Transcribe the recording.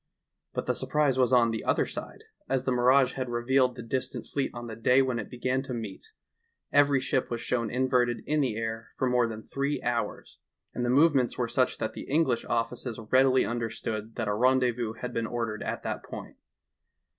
But the surprise was on the other side, as the mirage had revealed the dis tant fleet on the day when it began to meet ; every ship was shown inverted in the air for more than three hours, and the movements were such that the English offices readily understood that a ren dezvous had been ordered at that point.